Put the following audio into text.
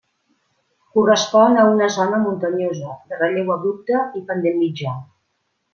Correspon a una zona muntanyosa, de relleu abrupte i pendent mitjà.